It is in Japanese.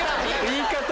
言い方！